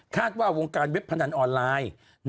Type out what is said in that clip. ว่าวงการเว็บพนันออนไลน์